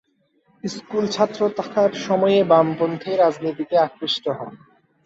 School ছাত্র থাকার সময়ে বামপন্থী রাজনীতিতে আকৃষ্ট হন।